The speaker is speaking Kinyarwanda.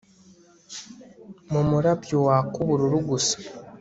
Mumurabyo waka ubururu gusa